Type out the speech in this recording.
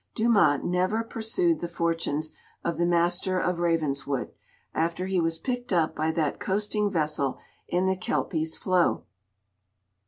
Dumas never pursued the fortunes of the Master of Ravenswood after he was picked up by that coasting vessel in the Kelpie's Flow.